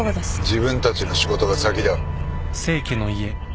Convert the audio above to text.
自分たちの仕事が先だ。